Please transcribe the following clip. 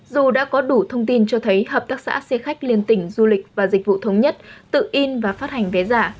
dù đã có đủ thông tin cho thấy hợp tác xã xe khách liên tỉnh du lịch và dịch vụ thống nhất tự in và phát hành vé giả